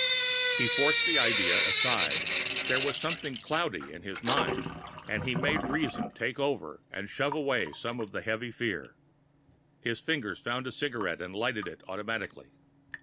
He forced the idea aside. There was something cloudy in his mind, but he made reason take over and shove away some of the heavy fear. His fingers found a cigarette and lighted it automatically.